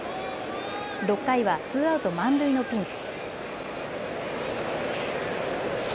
６回はツーアウト満塁のピンチ。